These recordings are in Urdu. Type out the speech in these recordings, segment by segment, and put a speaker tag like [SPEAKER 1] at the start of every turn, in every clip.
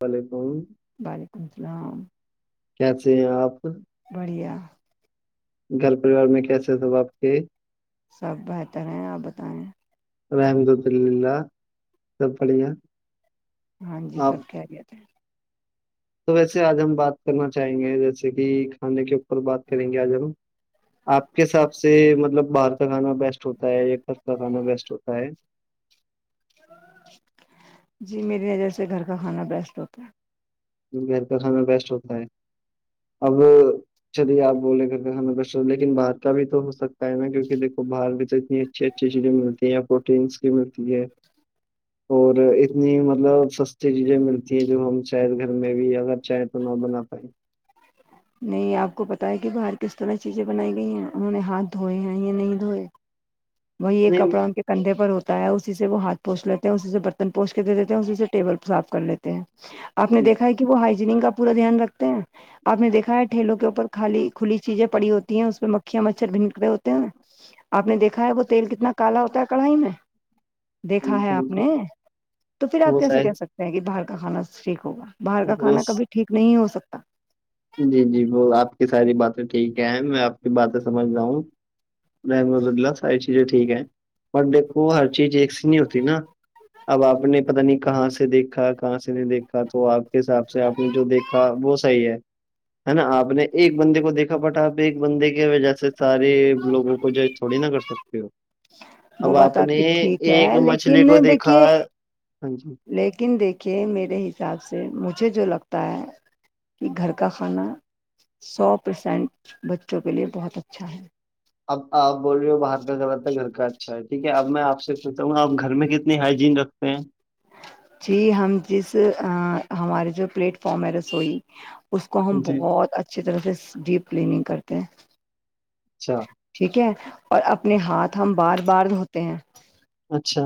[SPEAKER 1] وعلیکم
[SPEAKER 2] وعلیکم السلام
[SPEAKER 1] کیسے ہیں آپ
[SPEAKER 2] بڑھیا
[SPEAKER 1] گھر پریوار میں کیسے س آپ کے [unintelligible]
[SPEAKER 2] سب بہتر ہیں آپ بتائیں
[SPEAKER 1] رحمددلہلہ سب پڑ گ [unintelligible]
[SPEAKER 2] ہاں جی سب کہہ گیا [unintelligible]
[SPEAKER 1] تو ویسے آج ہم بات کرنا چاہیں گے جیسے کہ کھانے کے اوپر بات کریں گے آج ہم آپ کے حساب سے مطلب باہر کا کھانا بیسٹ ہوتا ہے کف کا کھانا بیسٹ ہوتا ہے
[SPEAKER 2] جی میری نظر سے گھر کا کھانا بیسٹ ہوتا ہے
[SPEAKER 1] گھر کا کھانا بیسٹ ہوتا ہے اب چلیے آپ بولے کر کے ہمیں ب لیکن باہر کا بھی تو ہو سکتا نا کیکہ دیکو باہر میں تو اتنی اچھی اچھی چیزیں ملتی ہیں یا پروٹینس کی ملتی ہے اور اتنی مطلب سستی چیزیں ملتی ہیں جو ہم شاید گھر میں بھی اگر چاہیں تو نہ بنا پائائے [inaudible]
[SPEAKER 2] نہیں آپ کو پتا ہے کہ باہر کس طرح چیزیں بنائی گئی ہیں انہوں نے ہاتھ دھوئے ہیں یا نہیں دھوئے وہی ایک
[SPEAKER 1] نہیں
[SPEAKER 2] کپڑا ان کے کندھے پر ہوتا ہے اسی سے وہ ہاتھ پوچ لیتے ہیں اسی سے برتن پوش کے دے دیتے ہیں اسی سے ٹیبل صاف کر لیتے ہیں
[SPEAKER 1] جی [unintelligible]
[SPEAKER 2] آپ نے دیکھا ہے کہ وہ ہائیجینگ کا پورا دھیان رکھتے ہیں آپ نےیکھا ہے ٹھیلوں کے اوپر خالی کھلی چیزیں پڑی ہوتی ہیں اس پ میں مکھیاں مچھر بھنکڑے ہوتے ہیں آپ نے دیکھا ہے وہ تیل کتنا کالا ہوتا ہے کڑھائی میں دیکھا ہے آپ نے تو پھر آپ
[SPEAKER 1] وہ
[SPEAKER 2] کیسے
[SPEAKER 1] ساری
[SPEAKER 2] کہ سکتے سکتا ہے کہ باہر کا کھانا ٹھیک ہوگا باہر کا
[SPEAKER 1] وہ
[SPEAKER 2] کھانا
[SPEAKER 1] س-
[SPEAKER 2] کبھی ٹھیک نہیں ہو سکتا
[SPEAKER 1] جی جی وہ آپ کی ساری باتیں ٹھیک ہے ہیں میں آپ کی باتیں سمجھ رہا ہوں رحمد اللہ ساری چیزیں ٹھیک ہے پر دیکھو ہر چیز ایک سی نہیں ہوتی نا اب آپ نے پتا نہیں کہاں سے دیکھا کہاں سے نہیں دیکھا تو آپ کے حساب سے آپ نے جو دیکھا وہ صحی ہے نا آپ نے ایک بندے کو دیکھا بٹ آپ ایک بندے کی وجہ سے سارے لوگوں کو جو یھوڑی نہ کر سکتے ہو
[SPEAKER 2] وہ
[SPEAKER 1] اب
[SPEAKER 2] با ت
[SPEAKER 1] آپ نے
[SPEAKER 2] ٹھیک ہے
[SPEAKER 1] ایک
[SPEAKER 2] لیکن
[SPEAKER 1] مچھلی کو دیکھا
[SPEAKER 2] دیکھیے
[SPEAKER 1] ہاں جی
[SPEAKER 2] لیکن دیکھی کہ میرے حساب سے مجھے جو لگتا ہے کہ گھر کا کھانا سو پرسینٹ بچوں کے لیے بہت اچھا ہے
[SPEAKER 1] ابپ بول رہے ہو باہر کا گھرتا ہے گھر کا اچھا ہے ٹھیک ہے اب میں آپ سے پوچھاوں گا اپ گھر میں کتنا اتنی ہائجین رکھتے ہیں
[SPEAKER 2] جی ہم جس ہمارے جو پلیٹ فارم ہے رسوئی اس کو ہم
[SPEAKER 1] ہاں جی
[SPEAKER 2] بہت اچھی طرح سے ڈیپ کلیننگ کرتے ہیں
[SPEAKER 1] اچھا
[SPEAKER 2] ٹھیک ہے اور اپنے ہاتھ ہم بار بار دھوتے ہیں
[SPEAKER 1] اچھا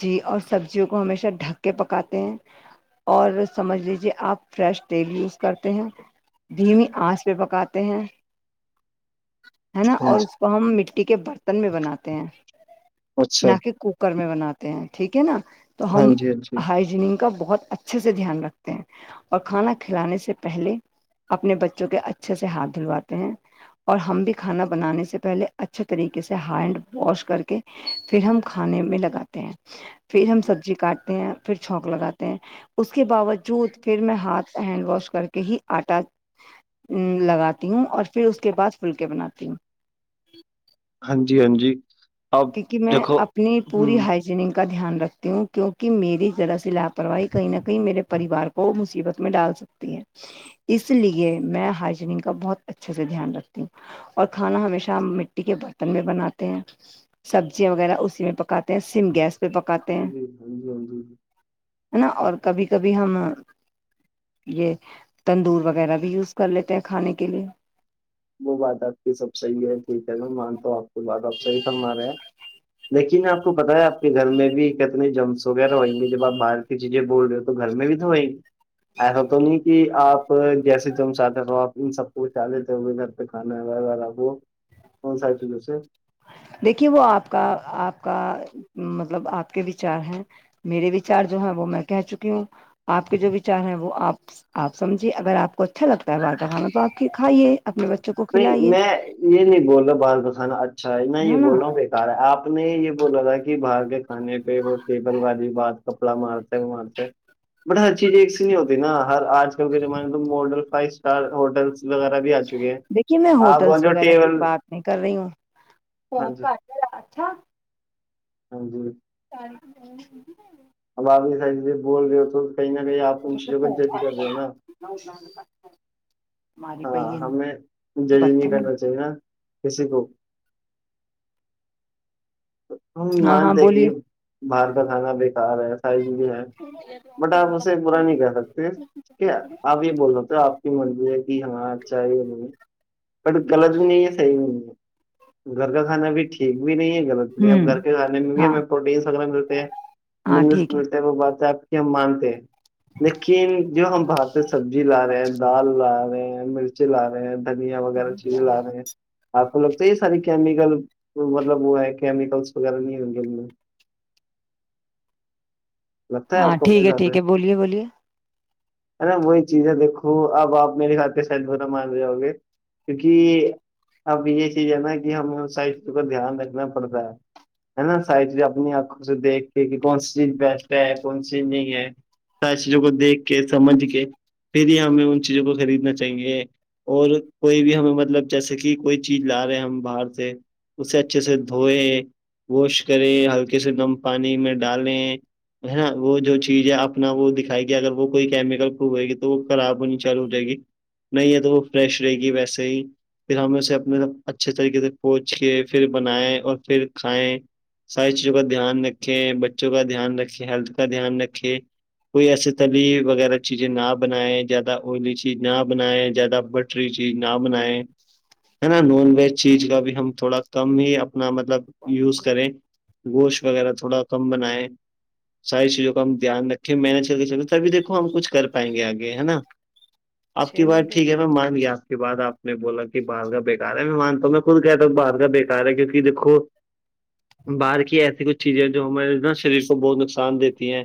[SPEAKER 2] جی اور سبزیوں کو ہمیشہ ڈھک کے پکاتے ہیں اور سمجھ لیجیے آپ فریش تیل یوز کرتے ہیں دھیمی آنس پہ پکاتے ہیں ہے نا
[SPEAKER 1] ہاں
[SPEAKER 2] اور
[SPEAKER 1] جی
[SPEAKER 2] تو ہم مٹی کے برتن میں بناتے ہیں
[SPEAKER 1] اچھا
[SPEAKER 2] نہ کہ کوکر میں بناتے ٹھیک ہے نا تو
[SPEAKER 1] ہاں
[SPEAKER 2] ہم
[SPEAKER 1] جی ہاں جی
[SPEAKER 2] ہائجینک کا بہت اچھا اچھے سے دھیان رکھتے ہیں اور کھانا کھلانے سے پہلے اپنے بچوں کے اچھے سے ہاتھ دھلواتے ہیں اور ہم بھی کھانا بنانے سے پہلے اچھے طریقے سے ہینڈ واش کر کے پھر ہم کھانے میں لگاتے ہیں پھر ہم سبزی کاٹ ہیں پھر چھک لگاتے ہیں اس کے باوجود پھر میں ہاتھ ہینڈ واش کر کے ہی آٹا لگاتی ہوں اور پھر اس کے بعد پھلکے بناتی ہوں
[SPEAKER 1] ہاں جی ہاں جی اب
[SPEAKER 2] کیونکہ میں
[SPEAKER 1] دیکھو
[SPEAKER 2] اپنی پوری
[SPEAKER 1] ہوں
[SPEAKER 2] ہائٹ جن کا دھیان رکھتی ہوں کیونکہ میری ذرا سی لاپرواہی کہیں نہ کہیں میرے پریوار کو مصیبت میں ڈال سکتی اس لیے میں ہائجینگ کا بہت اچھے سے دھیان رکھتی ہوں اور کھانا ہمیشہ مٹی کے برتن میں بناتے ہیں سبزیاں وغیرہ اسی میں پکاتے ہیں سم گیس پہ پکاتے
[SPEAKER 1] ہاں
[SPEAKER 2] ہیں
[SPEAKER 1] جی ہاں جی ہاں جی
[SPEAKER 2] ہے نا اور کبھی کبھی ہم یہ تندور وغیرہ بھی یوز کر لیتے ہیں کھانے کے لیے
[SPEAKER 1] وہ بات آپ کی سب صحیح ہے ٹھیک ہے میں مانتا ہوں آپ کی بات آپ صحیح فرما رہے ہیں لیکن آپ کو پتاہ ہے آپ کے گھر میں بھی کتنے جرمز وغیرہ ہویں گے جب آپ باہر کہ چیزیں بول رہے ہو تو گھر میں بھی تو وئی ایسا تو نہیں کہ آپ جیسے تم چاہتے ہو آپ ان سب کو بجا لیتے ہو کھانے والا وہ کون ان ساری چیزوں سے
[SPEAKER 2] دیکھیے وہ آپ کا آپ کا مطلب آپ کے وچار ہیں میرے وچار جو ہے وہ میں کہہ چکی ہوں آپ کے جو وچار ہیں وہ آپ آپ سمجھیں اگر آپ کو اچھا لگتا ہے بار کھانا تو آپ کے کھائیے اپنے بچوں کو
[SPEAKER 1] نہیں
[SPEAKER 2] کھلائیے
[SPEAKER 1] میں یہ نہیں بول رہا باہر کا کھانا اچھا ہے میں یہ بول رہا ہوں کہ آپ نے یہ بولا تھا کہ باہر کے کھانے پہ وہ ٹیبل والی بات کپڑا مارتے ہے وہ وہاں پہ بٹ ہر چیز ایک سی نہیں ہوتی نا ہر آج کل کے زمانے میں ماڈل فائیو اسٹار ہوٹلس وغیرہ بھی آ چکے ہیں
[SPEAKER 2] دیکھیے میں
[SPEAKER 1] آپ وہ
[SPEAKER 2] ہوٹلس
[SPEAKER 1] جو
[SPEAKER 2] وغیرہ کی
[SPEAKER 1] ٹیبل
[SPEAKER 2] بات نہیں کر رہی ہوں
[SPEAKER 1] ہاں جی
[SPEAKER 2] اچھا
[SPEAKER 1] ہاں جی
[SPEAKER 2] [unintelligible]
[SPEAKER 1] اب آپ یہ ساری چیزیں بول رہے ہو تو کہیں نہ کہیں آپ ان چیزوں کا جج کر رہے ہو نا
[SPEAKER 2] [unintelligible] ہماری
[SPEAKER 1] ہاں
[SPEAKER 2] پہیے
[SPEAKER 1] ہمیں جج
[SPEAKER 2] بت
[SPEAKER 1] نہیں کرنا چاہیے نا کسی کو ہم
[SPEAKER 2] ہاں ہاں
[SPEAKER 1] مانتے
[SPEAKER 2] بولیے
[SPEAKER 1] کہ باہر کا کھانا بیکار ہے ساری چیزیں ہے بٹ آپ اسے برا نہیں کہہ سکتے کہ آپ یہ بول رہے ہو تو آپ کی مرضی ہے کہ ہاں اچھا ہے یا نہیں بٹ غلط بھی نہیں ہے صحیح بھی نہیں ہے گھر کا کھانا بھی ٹھیک بھی نہیں ہے غلط ابھی اب
[SPEAKER 2] ہوں
[SPEAKER 1] گھر کے کھانے میں بھی
[SPEAKER 2] ہاں
[SPEAKER 1] ہمیں پروٹینس وغیرہ ملتے ہیں
[SPEAKER 2] ہاں
[SPEAKER 1] منرلس
[SPEAKER 2] ٹھیک ہے
[SPEAKER 1] ملتے ہیں وہ بات ہم مانتے ہیں لیکن جو ہم باہر سے سبزی لا رہے ہیں دال لا رہے ہیں مرچی لا رہے ہیں دھنیا وغیرہ چیزیں لا رہے ہیں آپ کو لگتا ہے یہ ساری کیمیکل مطلب وہ ہے کیمکلس وغیرہ نہیں ہے ان کے اندر لگتا ہے
[SPEAKER 2] ہاں
[SPEAKER 1] آپ کو کسی
[SPEAKER 2] ٹھیک
[SPEAKER 1] حساب سے
[SPEAKER 2] ٹھیک ہے بولیے بولیے
[SPEAKER 1] ارے وہی چیزیں دیکھو اب اپ میرے خیال پہ شاید برا مان جاؤ گے کیونکہ اب یہ چیز ہے نا کہ ہمیں ان ساری چیزوں کا دھیان رکھنا پڑتا ہے ہے نا ساری چیز اپنی آنکھوں سے دیکھ کے کہ کون سی چیز بیسٹ ہے کون چیز نہیں ہے ساری چیزوں کو دیکھ کے سمجھ کے پھر ہی ہمیں ان چیزوں کو خریدنا چاہیے اور کوئی بھی ہمیں مطلب جیسے کہ کوئی چیز لا رہے ہیں ہم باہر سے اسے اچھے سے دھوئے واش کرے ہلکے سے گرم پانی میں ڈالیں ہے نا وہ جو چیز ہے اپنا وہ دکھائے گی اگر وہ کوئی کیمیکل پروف ہوئے گی تو وہ خراب ہونی چالو ہو جائے گی نہیں ہے تو وہ فریش رہے گی ویسے ہی پھر ہم اسے اپنے اچھے طریقے سے پوچ کے پھر بنائیں اور پھر کھائیں ساری چیزوں کا دھیان رکھیں بچوں کا دھیان رکھیں ان کی ہیلتھ کا دھیان رکھے کوئی ایسے تلی وغیرہ چیزیں نہ بنائے زیادہ ائلی چیز نہ بنائیں زیادہ بٹری چیز نہ بنائیں [inaudible] ہے نا نان ویج چیز کا بھی ہم تھوڑا کم ہی اپنا مطلب یوز کریں گوشت وغیرہ تھوڑا کم بنائے ساری چیزوں کا ہم دھیان رکھیں مینج کر کے چل چلتے تبھی دیکھو ہم کچھ کر پائیں گے آگے ہے نا آپ کی
[SPEAKER 2] چھ
[SPEAKER 1] بات
[SPEAKER 2] منٹ
[SPEAKER 1] ٹھیک ہے میں مان گیا آپ کی بات آپ نے بولا کہ باہر کا بیکار ہے میں مانتا ہوں میں خود کہ تو باہر کا بیکار ہے کیونکہ دیکھو باہر کی ایسی کچھ چیزیں جو ہمارے نا شریر کو بہت نقصان دیتی ہیں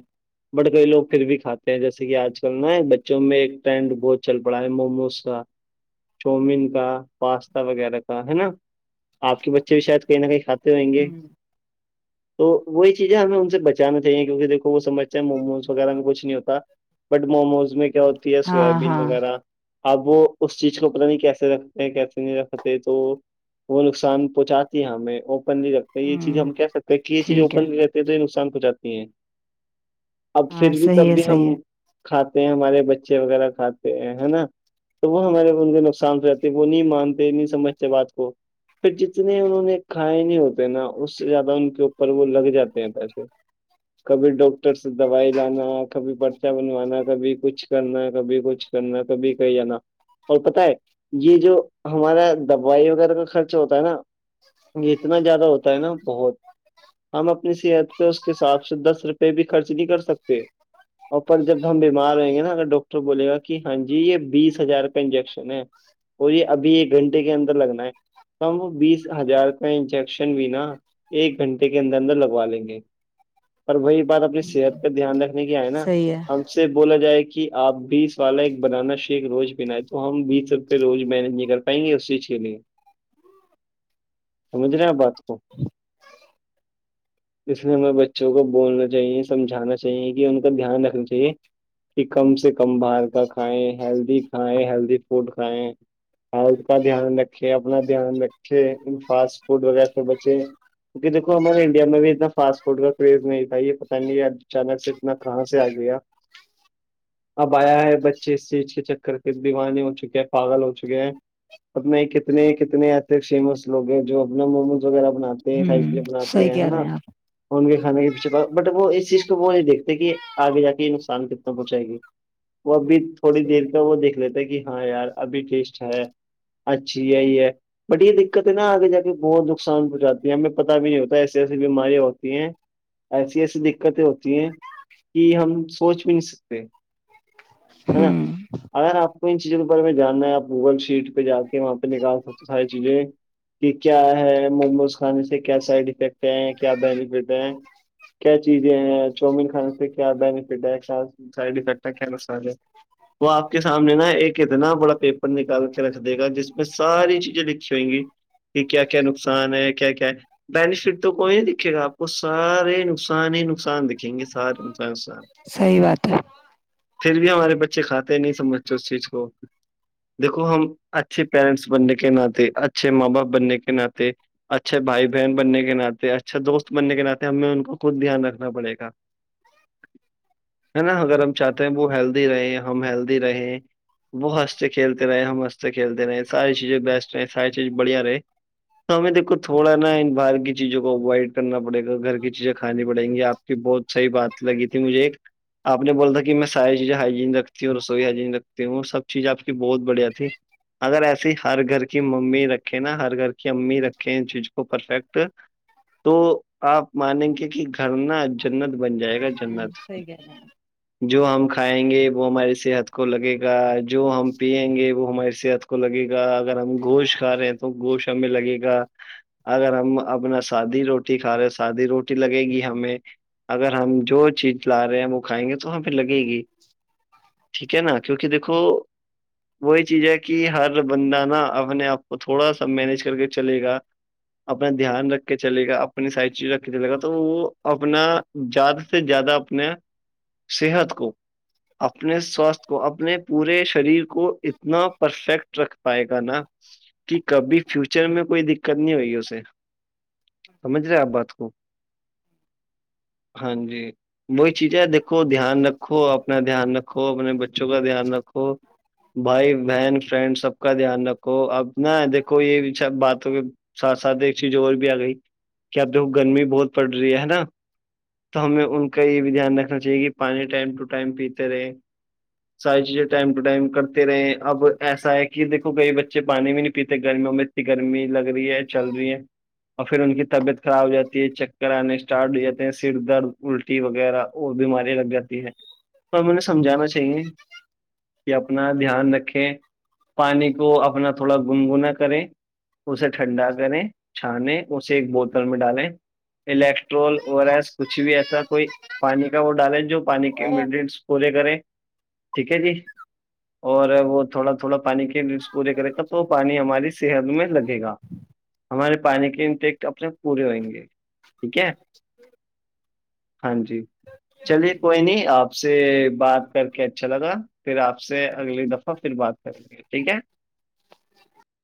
[SPEAKER 1] بٹ کئی لوگ پھر بھی کھاتے ہیں جیسے کہ آج کل نا بچوں میں ایک ٹرینڈ بہت چل پڑا ہے موموز کاچؤمین کا پاستا وغیرہ کا ہےا آپ کے بچے بھی شاید کہیں نہ کہیں کھاتے ہوئیں گے تو وہی چیزیں ہمیں ان سے بچانا اہ کیکہ دیکو وہ سمجھتے ہیں موموز وغیرہ میں کچھ نہیں ہوتا بٹ موموز میں کیا ہوتا
[SPEAKER 2] ہاں
[SPEAKER 1] سویابین
[SPEAKER 2] ہاں
[SPEAKER 1] وغیرہ اب وہ اس چیز کو پت نہیں کیسے رکھتے ہیں کیسے نہیں رکھتے تو وہ نقصان پہنچاتی ہے ہمیں اوپنلی یہ چیز
[SPEAKER 2] ہ
[SPEAKER 1] ہم کہہ سکتے ہیں کہ یہ چیز اوپن نہیں رہتی ہے تو یہ نقصان پہنچاتی ہے اب
[SPEAKER 2] ہاں
[SPEAKER 1] پھر بھی
[SPEAKER 2] صحیح
[SPEAKER 1] تب
[SPEAKER 2] ہے
[SPEAKER 1] بھی ہم
[SPEAKER 2] صحیح ہے
[SPEAKER 1] کھاتے ہیں ہمارے بچے وغیرہ کھاتے ہیں ہے نا تو وہ ہمارے ان کے نقصان سے رہتے وہ نہیں مانتے نہیں سمجھتے بات کو پھر جتنے انہوں نے کھائے نہیں ہوتے نا اس سے زیادہ ان کے اوپر وہ لگ جاتے ہیں پیسے کبھی ڈاکٹر سے دوائی لانا کبھی پرچہ بنوانا کبھی کچھ کرنا کبھی کچھ میں تو بھی کہی ہے نا اور پت ہے یہ جو ہمارا دوائی وغیرہ کا خرچ ہوتا ہے نا اتنا زیادہ ہوتا ہے نا بہت ہم اپنی صحت پہ اس کے کے حساب سے دس روپئے بھی خرچ نہیں کر سکتے اور پر جب ہم بیمار ہوئیں گے نا اگر ڈاکٹر بولے گا کہ ہاں جی یہ بیس ہزار کا انجیکشن ہے وہ یہ ابھی ایک گھنٹے کے اندر لگنا ہے کم بیس ہزار کا انجیکشن بھیناا ایک گھنٹے کے اندر اندر لگوا لیں گے اور بھائی یہ بات اپنی صحت پہ دھیان رکھنے کی آئے نا
[SPEAKER 2] صحیح ہے
[SPEAKER 1] ہم سے بولا جائے کہ آپ بیس والا ایک بنانا شیک روز بنا ہے تو ہم بیس روپے روز مینج نہیں کرتے پائیں گے اس چیز کے لیے سمجھ رہے ہیں آپ بات کو اس ہمیں بچوں کو بولنا چاہیے سمھانا چاہیے کہ ان کا دھیان رکھنا چاہیے کہ کم سے کم باہر کا کھائیں ہیلدی کھائیں ہیلدی فوڈ کھائیں ہت کا دھیان رکھے اپنا دھیان رکھے فاسٹ فوڈ وغیرہ سے بچے اک دیکو ہمار انڈیا میں بھی ایک دم پاسٹ فورٹ کا کریز نہیں تھا یہ پتا نہیں اچانک سے اتنا کہاں سے آ گیا اب آیا ہے بچے اسچ کے چکر کے دیوانے ہو چکے ہیں پاگل ہو چکے ہیں اپنے کتنے کتنے آتے ہیں فیمس لوگ ہیں جو اپنا موموز وغیرہ بناتے ہیںائی
[SPEAKER 2] ہوں
[SPEAKER 1] یہ بناتے
[SPEAKER 2] صحیح
[SPEAKER 1] ہیں
[SPEAKER 2] کہہ رہے
[SPEAKER 1] نا
[SPEAKER 2] آپ
[SPEAKER 1] ان کے کھانے کے پیچھے بٹ وہ اس چیز کو وہ نہیں دیکھتے کہ آگے جا کے یہ نقصان کتنا پہنچائے گی وہ ابھی
[SPEAKER 2] ہوں
[SPEAKER 1] تھوڑی
[SPEAKER 2] صحیح
[SPEAKER 1] دیر کا وہ دیکھ لیتا ہے کہ ہاں یار ابھی ٹیسٹ ہے اچھی یہی ہے بٹ یہ دقت ہے نا آگے ج کے بہت نقصان پہنچاتی ہے ہمیں پت بھی نہیں ہوتا ایسے ایسے بیمارییاں ہوتی ہیں ایسی ایسی دقتیں ہوتی ہیں کہ ہم سوچ بھی نہیں سکتے
[SPEAKER 2] ہاں
[SPEAKER 1] ا آپ کو ان چیزوں کے بارے میں جاننا ہے آپ گوگل شیٹ پہ جا کے وہاں پہ نکال سکتے ساری چیزیں کہ کیا ہے مجموز کھانے سے کیا سائڈ افیکٹ ہیں کیا بینیفٹ ہیں کیا چیزیں چاؤمین کھانے سے کیا بینیفٹ ہے کیا سائڈ افیکٹ ہے کیا نقصان ہے وہ آپ کے سامنے نا ایک اتنا بڑا پیپر نکال کے رکھ دے گا جس میں ساری چیزیں لھی ہویں گی کہ کیا کیا نقصان ہے کیا کیا ہے بینیفٹ تو کوئی دیککھے گا آپ کو سارے نقصان ہی نقصان دکھھیں گے سارے نقصان نقصان
[SPEAKER 2] صحی بات ہے
[SPEAKER 1] پھر بھی ہمارے بچے کھاتے نہیں سمجھتے اس چیز کو دیکو ہم اچھے پیرنٹس بننے کے ناطے اچھے ماں باپ بننے کے ناطے اچھے بھائی بہن بننے کے ن اچھا دوست بننے کے ناطے ہمیں ان کو خود دھیان رکھنا پڑے گا ہے نا اگر ہم چاہتے ہیں وہ ہیلدی رہیں ہم ہیلدی رہیں وہ ہنستے کھیلتے رہے ہم ہنستے کھیلتے رہے ساری چیزیں بیسٹ رہ ساری چیز بڑھیا رہے تو ہمیں دیکھو تھوڑا نا ان باہار چیزوں کو اوائڈ کرنا پڑے گا گھر کی چیزیں کھانی پڑیں گی آپ کی بہت صحی بات لگی تھی مجھے ایک آپ نے بولا تھا کہ میں ساری چیزیں ہائجین رکھتی ہوں رسوئی ہجین رکھتی ہوں سب چیز آپ کی بہت بڑھیا تھی اگر ایسی ہر گھر کی ممی رکھیں نا ہر گھر کی امی رکھیں جیز کو پرفیکٹ تو آپ مانیں گے کہ گھرنا جنت بن جائے گا
[SPEAKER 2] ہوں
[SPEAKER 1] جنت
[SPEAKER 2] صحیح کہہ رہے ہیں
[SPEAKER 1] جو ہم کھائیں گے وہ ہماری صحت کو لگے گا جو ہم پیئیں گے وہ ہماری صحت کو کو لگے گا اگر ہم گوشت کھا رہے ہیں تو گوشت ہمیں لگے گا اگر ہم اپنا سادی روٹی کھا رہے سادی روٹی لگے گی ہمیں اگر ہم جو چیز لا رہے ہیں ہم وہ کھائیں گے تو ہم پھر لگے گی ٹھیک ہے نا کیونکہ دیکھو وہی چیز ہے کہ ہر بندہ نا اپنے آپ کو تھوڑا سا مینج کر کے چلے گا اپنے دھیان رکھ کے چلے گا اپنی سائ چیز رکھ کے چلے گا تو وہ اپنا زیادہ سے زیادہ اپنے صحت کو اپنے سواستھ کو اپنے پورے شریر کو اتنا پرفیکٹ رکھ پائے گا نا کہ کبھی فیوچر میں کوئی دقت نہیں ہوئےگی اسے سمجھ رہے آپ بات کو ہاں جی وہی چیزیں دیکھو دھیان رکھو اپنا دھیان رکھو اپنے بچوں کا دھیان رکھو بھائی بہن فرینڈ سب کا دھیان رکھو اب ن دیکھو یہ سب باتوں کے ساتھ ساتھ ایک چیز اور بھی آ گئی کہ اپ دیکھو گرمی بہت پڑ رہی ہے نا تو ہمیں ان کا یہ بھی دھیان رکھنا چاہیے کہ پانی ٹائم ٹو ٹائم پیتے رہے ساری چیزیں ٹائم ٹو ٹائم کرتے رہے ہیں اب ایسا ہے کہ دیکھو کئی بچے پانی بھی نہیں پیتے گرمیوں میں گرمی لگ رہی ہے چل رہی ہے اور پھر ان کی طبیعت خراب ہو جاتی ہے چکر آنے اسٹارٹ ہو جاتے ہیں سر درد الٹی وغیرہ اور بیمارییاں لگ جاتی ہیں تو ہمیں سمجھانا چاہیے کہ اپنا دھیان رکھے پانی کو اپنا تھوڑا گنگنا کریں اسے ٹھنڈا کریں چھانے اسے ایک بوتل میں ڈالیں الیکٹرول اور ایس کچھ بھی ایسا کوئی پانی کا وہ ڈالیں جو پانی کے انگریڈینٹس پورے کریں ٹھیک ہے جی اور وہ تھوڑا تھوڑا پانی کے لی پورے کرے گا تو پانی ہماری صحت میں لگے گا ہمارے پانی کے انٹیکٹ اپنے پورے ہوئیں گے ٹھیک ہے
[SPEAKER 2] ہی
[SPEAKER 1] ہاں جی
[SPEAKER 2] ہاں
[SPEAKER 1] چلیے کوئی نہیں آپ سے بات کر کے اچھا لگا پھر آپ سے اگلی دفعہ پھر بات کریں گے ٹھیک ہے